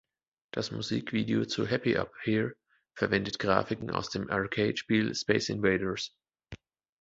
Das Musikvideo zu "Happy Up Here" verwendet Grafiken aus dem Arcade-Spiel Space Invaders.